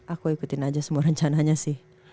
aku ikutin aja semua rencananya sih